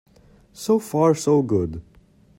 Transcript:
So far so good.